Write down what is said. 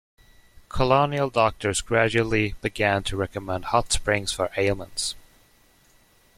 Colonial doctors gradually began to recommend hot springs for ailments.